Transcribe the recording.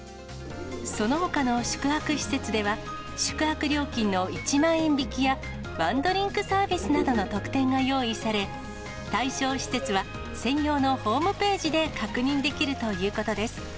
そのほかの宿泊施設では、宿泊料金の１万円引きや、ワンドリンクサービスなどの特典が用意され、対象施設は、専用のホームページで確認できるということです。